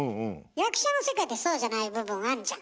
役者の世界ってそうじゃない部分あんじゃん。